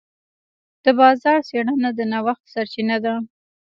د بازار څېړنه د نوښت سرچینه ده.